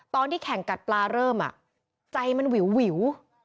ตอนที่แข่งกัดปลาเริ่มใจมันวิว